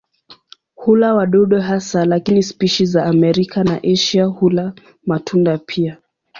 Hula wadudu hasa lakini spishi za Amerika na Asia hula matunda pia.